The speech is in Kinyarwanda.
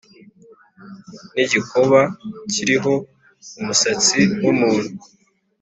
N’ igikoba kiriho umusatsi w’ umuntu